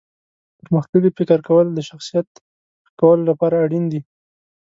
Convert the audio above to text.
پرمختللي فکر کول د شخصیت ښه کولو لپاره اړین دي.